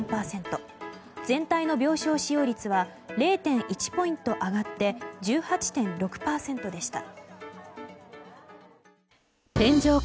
全体の病床使用率は０．１ポイント上がって１８．６％でした。